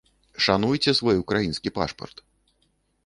Шануйце свой украінскі пашпарт.